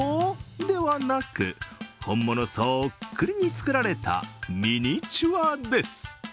ではなく、本物そっくりに作られたミニチュアです。